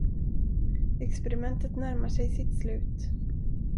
Experimentet närmar sig sitt slut.